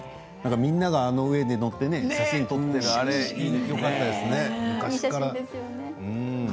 みんなが上に乗って写真を撮っている、あれいいですね昔から。